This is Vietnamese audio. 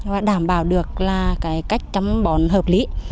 và đảm bảo được là cái cách chăm bón hợp lý